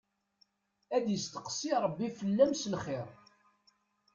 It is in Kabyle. Ad yesteqsi Rebbi fell-am s lxir.